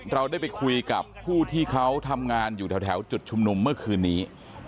เราได้ไปคุยกับผู้ที่เขาทำงานอยู่แถวจุดชุมนุมเมื่อคืนนี้